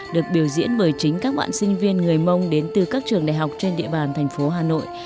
được biểu diễn bởi chính các bạn sinh viên người mông đến từ các trường đại học trên địa bàn thành phố hà nội